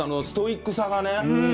ストイックさがね。